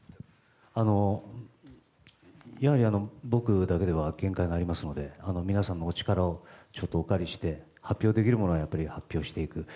やはり僕だけでは限界がありますので皆さんのお力をちょっとお借りして発表できるものは発表していく。